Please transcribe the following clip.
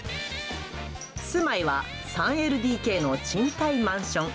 住まいは３ＬＤＫの賃貸マンション。